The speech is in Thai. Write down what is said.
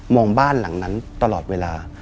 บ้านหลังนั้นตลอดเวลา